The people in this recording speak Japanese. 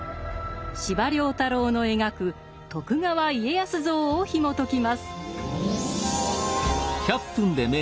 司馬太郎の描く徳川家康像をひもときます。